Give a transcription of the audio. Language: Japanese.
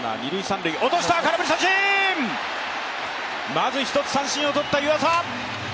まず一つ三振を取った湯浅。